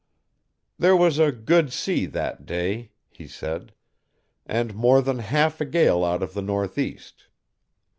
"There was a good sea that day," he said, "and more than half a gale out of the northeast.